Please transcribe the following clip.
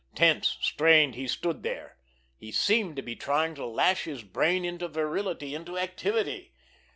Tense, strained, he stood there. He seemed to be trying to lash his brain into virility, into activity.